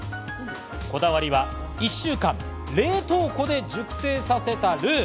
こだわりは１週間、冷凍庫で熟成させた、ルウ。